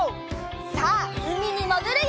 さあうみにもぐるよ！